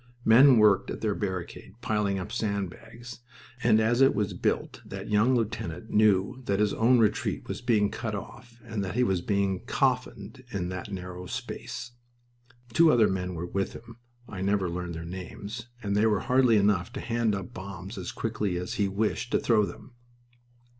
Men worked at that barricade, piling up sand bags, and as it was built that young lieutenant knew that his own retreat was being cut off and that he was being coffined in that narrow space. Two other men were with him I never learned their names and they were hardly enough to hand up bombs as quickly as he wished to throw them.